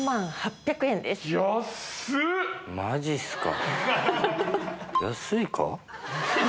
マジっすか。